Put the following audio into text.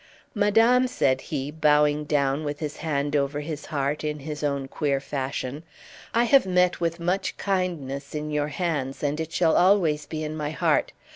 "Madame," said he, bowing down with his hand over his heart, in his own queer fashion, "I have met with much kindness in your hands, and it shall always be in my heart.